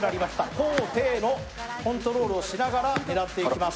高低のコントロールをしながら狙っていきます。